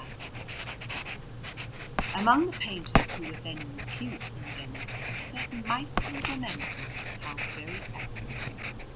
Panel_)] Among the painters who were then in repute in Venice, a certain Maestro Domenico was held very excellent.